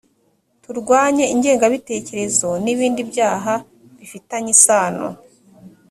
turwanye ingengabitekerezo n ‘ibindi byaha bifitanye isano.